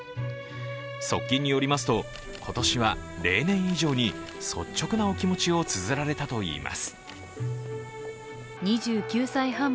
側近によりますと、今年は例年以上に率直なお気持ちをつづられたといいます。